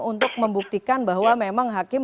untuk membuktikan bahwa memang hakim